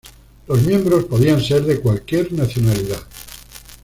Los miembros podían ser de cualquier nacionalidad.